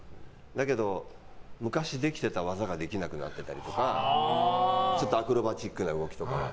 だけど、昔できてた技ができなくなってたりとかちょっとアクロバティックな動きとか。